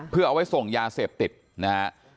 เพื่อเอาไว้ส่งยาเสพติดนะฮะ